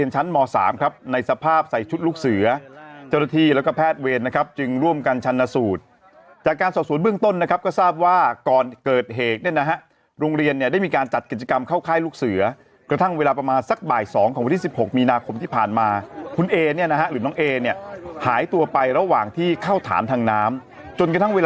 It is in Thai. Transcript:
ชั้นม๓ครับในสภาพใส่ชุดลูกเสือเจ้าหน้าที่แล้วก็แพทย์เวรนะครับจึงร่วมกันชันสูตรจากการสอบสวนเบื้องต้นนะครับก็ทราบว่าก่อนเกิดเหตุเนี่ยนะฮะโรงเรียนเนี่ยได้มีการจัดกิจกรรมเข้าค่ายลูกเสือกระทั่งเวลาประมาณสักบ่าย๒ของวันที่๑๖มีนาคมที่ผ่านมาคุณเอเนี่ยนะฮะหรือน้องเอเนี่ยหายตัวไประหว่างที่เข้าฐานทางน้ำจนกระทั่งเวลา